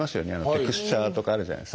テクスチャーとかあるじゃないですか。